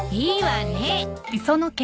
いいわね。